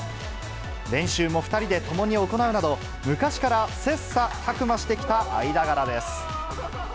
練習も２人で共に行うなど、昔から切さたく磨してきた間柄です。